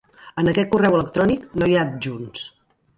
En aquest correu electrònic no hi ha adjunts.